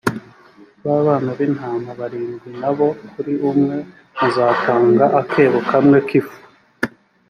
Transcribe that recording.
ba bana b’intama barindwi na bo, kuri umwe muzatanga akebo kamwe k’ifu.